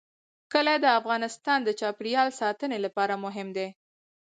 کلي د افغانستان د چاپیریال ساتنې لپاره مهم دي.